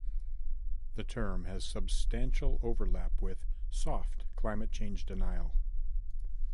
The term has substantial overlap with "soft climate change denial".